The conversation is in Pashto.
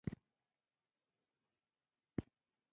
د میرمنو کار او تعلیم مهم دی ځکه چې سولې جوړولو مرسته کوي.